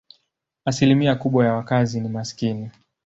Asilimia kubwa ya wakazi ni maskini.